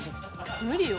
無理よ。